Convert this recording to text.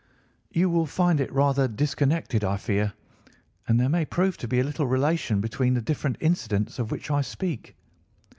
"You will find it rather disconnected, I fear, and there may prove to be little relation between the different incidents of which I speak.